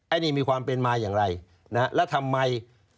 อันนี้มีความเป็นมาอย่างไรนะฮะแล้วทำไม